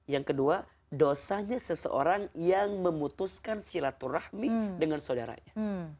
yang kedua dosanya seseorang yang memutuskan silaturahmi dengan saudaranya